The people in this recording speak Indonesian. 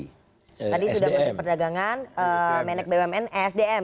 tadi sudah menurut perdagangan menek bumn sdm